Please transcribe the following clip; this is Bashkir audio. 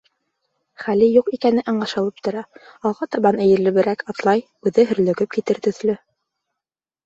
Хәле юҡ икәне аңлашылып тора, алға табан эйелеберәк атлай, үҙе һөрлөгөп китер төҫлө.